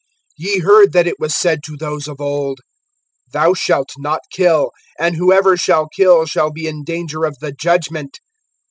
(21)Ye heard that it was said to those[5:21] of old: Thou shalt not kill; and whoever shall kill shall be in danger of the judgment.